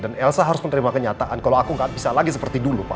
dan elsa harus menerima kenyataan kalau aku tidak bisa lagi seperti dulu pak